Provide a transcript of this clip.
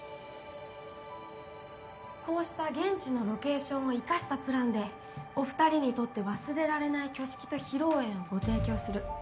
こうした現地のロケーションを生かしたプランでお２人にとって忘れられない挙式と披露宴をご提供する。